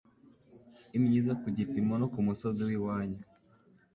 Imyiza kugipimo no k'umusozi w'iwanyu